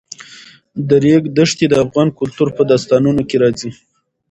د ریګ دښتې د افغان کلتور په داستانونو کې راځي.